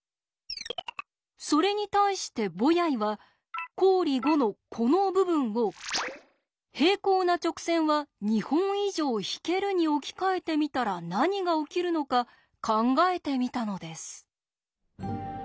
それに対してボヤイは公理５のこの部分を「平行な直線は２本以上引ける」に置き換えてみたら何が起きるのか考えてみたのです。